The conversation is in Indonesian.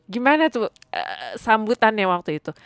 gimana tuh sambutannya waktu itu